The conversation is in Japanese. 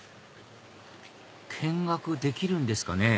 見学できるんですかね？